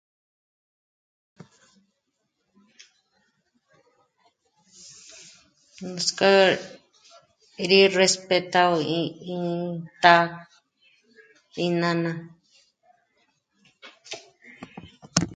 Nuts'k'é rí réspetágö ìn táínána